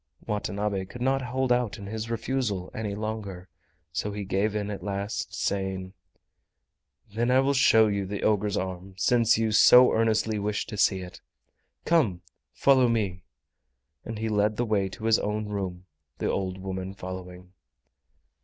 Watanabe could not hold out in his refusal any longer, so he gave in at last, saying: "Then I will show you the ogre's arm, since you so earnestly wish to see it. Come, follow me!" and he led the way to his own room, the old woman following.